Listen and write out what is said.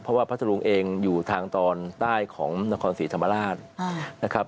เพราะว่าพัทธรุงเองอยู่ทางตอนใต้ของนครศรีธรรมราชนะครับ